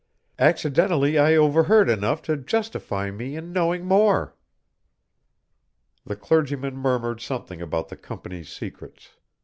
Accidentally I overheard enough to justify me in knowing more." The clergyman murmured something about the Company's secrets.